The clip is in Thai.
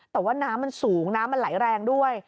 แต่ว่าน้ำมันสูงน้ำมันไหลแรงด้วย